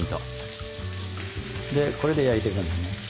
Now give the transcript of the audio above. でこれで焼いていくんですね。